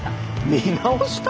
見直した？